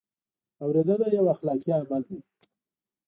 اورېدنه یو اخلاقي عمل دی.